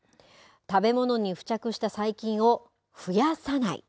食べ物に付着した細菌を増やさない。